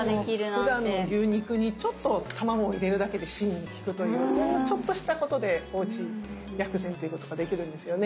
でもふだんの牛肉にちょっと卵を入れるだけで心に効くというほんのちょっとしたことでおうち薬膳ということができるんですよね。